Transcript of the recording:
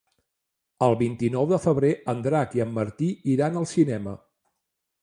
El vint-i-nou de febrer en Drac i en Martí iran al cinema.